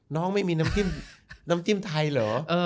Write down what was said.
น้องไม่มีน้ำจิ้มไทยเหรอ